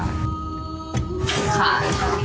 ผู้ค้า